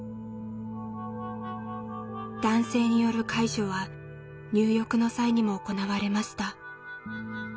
男性による介助は入浴の際にも行われました。